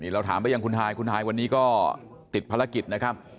เราถามไปยังคุณฮายคุณฮายวันนี้ก็ติดภารกิจนะครับ